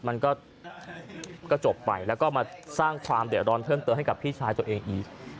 มันก็จบไปแล้วก็มาสร้างความเดือดร้อนเพิ่มเติมให้กับพี่ชายตัวเองอีก